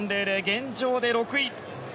現状で６位。